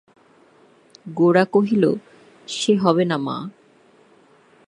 গোরা কহিল, সে হবে না মা!